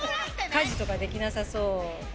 家事とかできなさそう。